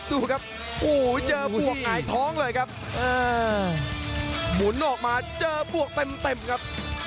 ดูครับโอ้โหเจอบวกหงายท้องเลยครับหมุนออกมาเจอบวกเต็มครับ